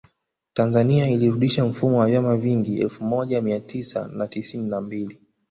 Tanzania ilirudisha mfumo wa vyama vingi elfu moja Mia tisa na tisini na mbili